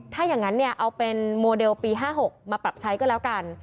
ถ้าอย่างนั้นเนี่ยเอาเป็นโมเดลปี๕๖มาปรับใช้ก็แล้วกัน